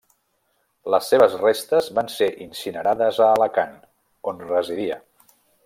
Les seves restes van ser incinerades a Alacant, on residia.